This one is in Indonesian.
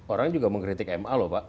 orang juga mengkritik ma loh pak